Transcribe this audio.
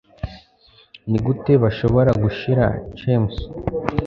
Nigute bashobora gushira chymes